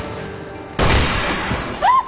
あっ！